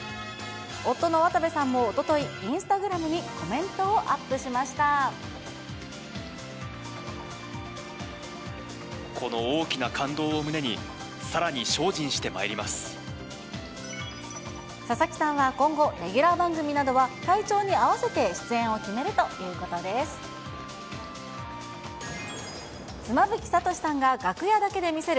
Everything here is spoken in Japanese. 夫の渡部さんもおととい、インスタグラムにコメントをこの大きな感動を胸に、佐々木さんは今後、レギュラー番組などは体調に合わせて出演を決めるということです。